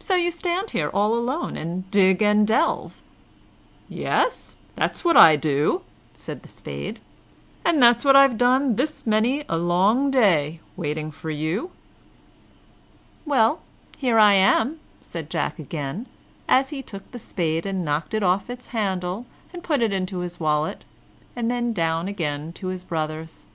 "So you stand here all alone, and dig and delve!" "Yes, that's what I do," said the Spade, "and that's what I've done this many a long day, waiting for you." "Well, here I am," said Jack again, as he took the spade and knocked it off its handle, and put it into his wallet, and then down again to his brothers.